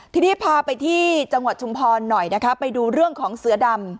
ทีนี้พาไปที่จังหวัดชุมพรหน่อยนะคะไปดูเรื่องของเสือดำ